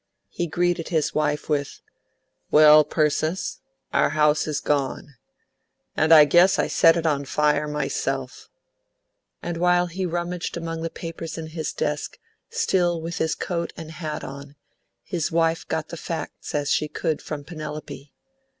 He greeted his wife with, "Well, Persis, our house is gone! And I guess I set it on fire myself;" and while he rummaged among the papers in his desk, still with his coat and hat on, his wife got the facts as she could from Penelope.